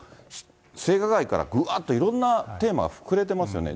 性加害からぶわーって、いろんなテーマが膨れてますよね。